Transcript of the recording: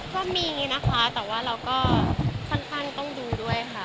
ก็มีนะคะแต่ว่าเราก็ค่อนข้างต้องดูด้วยค่ะ